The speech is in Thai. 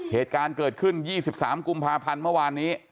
เหตุการณ์เกิดขึ้น๒๓กุมภาพันธ์เมื่อวานนี้